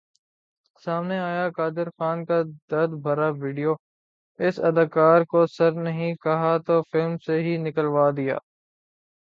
سامنے آیا قادر خان کا درد بھرا ویڈیو ، اس اداکار کو سر نہیں کہا تو فلم سے ہی نکلوادیا